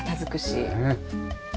ねえ。